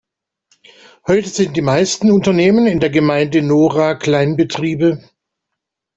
Heute sind die meisten Unternehmen in der Gemeinde Nora Kleinbetriebe.